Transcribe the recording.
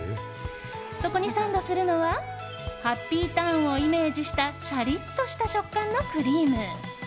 そこにサンドするのはハッピーターンをイメージしたしゃりっとした食感のクリーム。